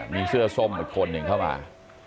มีเสื้อส้มอีกคนหนึ่งเข้ามา